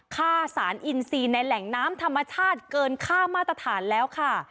ค่าสารอินซีในแหล่งน้ำธรรมชาติเกินค่ามาตรฐานแล้วค่ะ